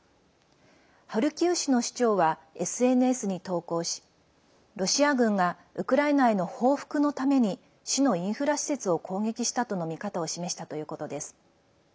ハルキウ市の市長はＳＮＳに投稿しロシア軍がウクライナへの報復のために市のインフラ施設を攻撃したとの見方を示したということです。